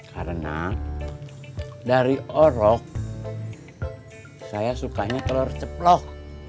karena dari orok saya sukanya telur ceplok